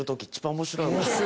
面白い。